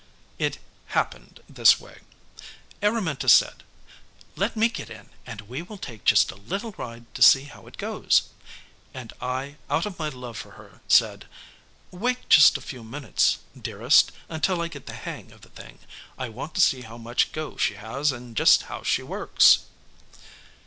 It happened this way. Araminta said, "Let me get in, and we will take just a little ride to see how it goes," and I out of my love for her said, "Wait just a few minutes, dearest, until I get the hang of the thing. I want to see how much go she has and just how she works."